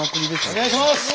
お願いします！